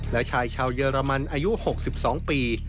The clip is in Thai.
และชายชาวเยอรมันอายุ๖๒ปี